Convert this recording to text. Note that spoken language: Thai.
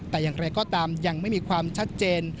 แต่อย่างไรก็ตามยังไม่มีความชัดเจน